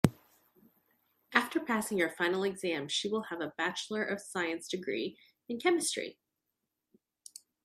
After passing her final exam she will have a bachelor of science degree in chemistry.